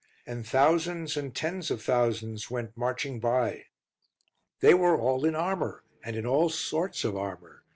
And thousands and tens of thousands went marching by. "They were all in armour, and in all sorts of armour.